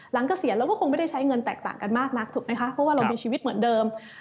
หลังเกษียณเราก็คงไม่ได้ใช้เงินแตกต่างกันมากเพราะว่าเรามีชีวิตเหมือนเดิม